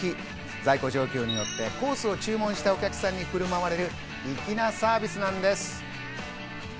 在庫状況によってコースを注文したお客さんにふるまわれる、粋なサービスなんです。